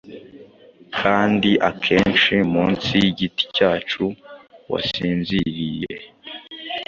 kandi akenshi munsi yigiti cyacu wasinziriye,